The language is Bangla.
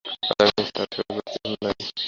আজ আমি ছাড়া সুরবালার আর কেহ নাই।